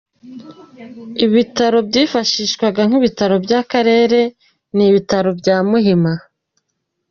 Ibitaro byifashishwaga nk’ ibitaro by’ akarere ni ibitaro bya Muhima.